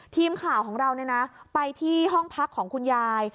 ทีมข่าวของเราไปที่ห้องพักของคุณยาย